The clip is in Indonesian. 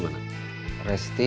mungkin lebih proses mustiung